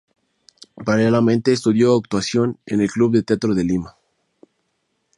Paralelamente estudió actuación en el Club de Teatro de Lima.